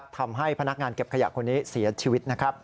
ทำให้พนักงานเก็บขยะคนนี้เสียชีวิตนะครับ